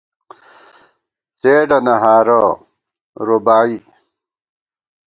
څېڈَنہ ہارہ (رُباعی)